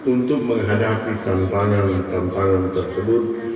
untuk menghadapi tantangan tantangan tersebut